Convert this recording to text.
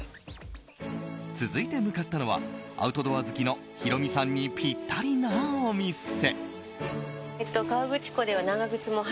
続いて向かったのはアウトドア好きのヒロミさんにぴったりなお店。